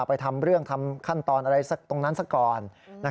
ไปทำเรื่องทำขั้นตอนอะไรสักตรงนั้นซะก่อน